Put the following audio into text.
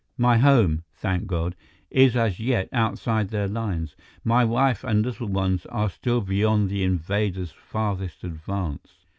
My home, thank God, is as yet outside their lines; my wife and little ones are still beyond the invader's farthest advance."